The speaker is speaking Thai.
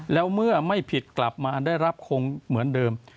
แล้วเมื่อไม่ผิดกลับมาได้รับคงเหมือนเดิม